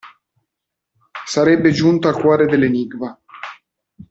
Sarebbe giunto al cuore dell'enigma.